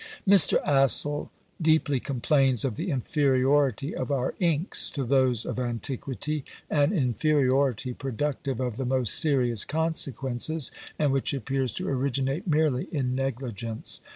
Mr. Astle deeply complains of the inferiority of our inks to those of antiquity; an inferiority productive of the most serious consequences, and which appears to originate merely in negligence.